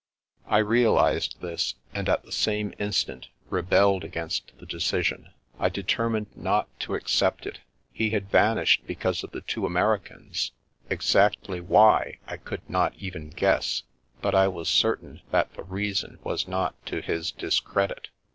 I realised this, and at the same instant rebelled against the decision. I determined not to accept it. He had vanished because of the two Americans; exactly why, I could not even guess, but I was cer tain that the reason was not to his discredit.